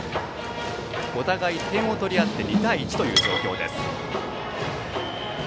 お互い点を取り合って２対１という状況です。